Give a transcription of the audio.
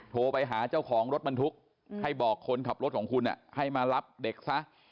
โทรไปหาเจ้าของรถบรรทุกให้บอกคนขับรถของคุณให้มารับเด็กซะ